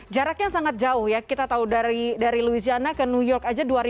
jaraknya sangat jauh ya kita tahu dari louisiana ke new york saja dua ribu km kira kira